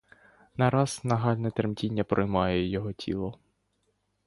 Нараз нагальне тремтіння проймає його тіло.